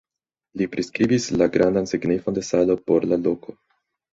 Li priskribis la grandan signifon de salo por la loko.